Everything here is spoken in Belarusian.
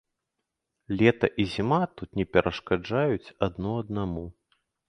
Лета і зіма тут не перашкаджаюць адно аднаму.